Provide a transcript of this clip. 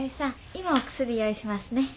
今お薬用意しますね。